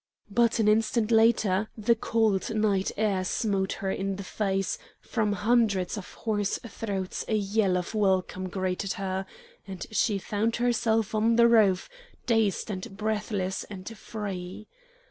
But an instant later the cold night air smote her in the face, from hundreds of hoarse throats a yell of welcome greeted her, and she found herself on the roof, dazed and breathless, and free.